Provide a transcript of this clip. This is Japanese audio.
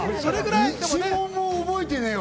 一問も覚えてねえわ！